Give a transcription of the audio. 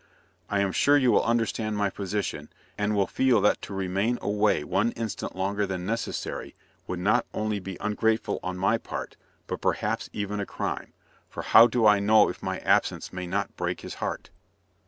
I am sure you will understand my position, and will feel that to remain away one instant longer than is necessary would not only be ungrateful on my part, but perhaps even a crime, for how do I know if my absence may not break his heart?